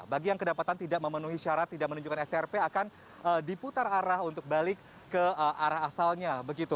bagi yang kedapatan tidak memenuhi syarat tidak menunjukkan strp akan diputar arah untuk balik ke arah asalnya